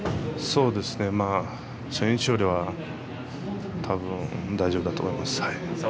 そうですね、初日よりは多分、大丈夫だと思います。